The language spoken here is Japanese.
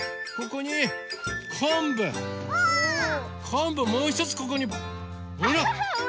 こんぶもうひとつここにほら！